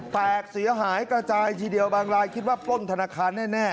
แตกเสียหายกระจายทีเดียวบางรายคิดว่าปล้นธนาคารแน่